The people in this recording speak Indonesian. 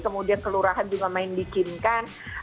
kemudian kelurahan juga main bikinkan